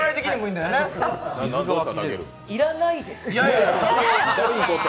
要らないです。